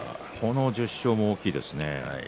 この１０勝も大きいですね。